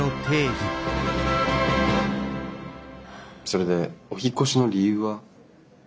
それでお引っ越しの理由は？